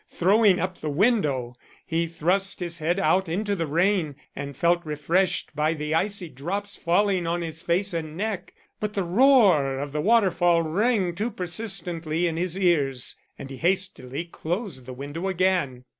Throwing up the window, he thrust his head out into the rain and felt refreshed by the icy drops falling on his face and neck. But the roar of the waterfall rang too persistently in his ears and he hastily closed the window again.